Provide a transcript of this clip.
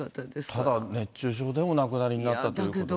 ただ、熱中症でお亡くなりになったということで。